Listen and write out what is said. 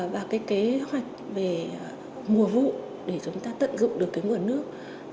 và cái kế hoạch về mùa vụ để chúng ta tận dụng được cái nguồn nước